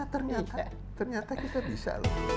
bisa ternyata ternyata kita bisa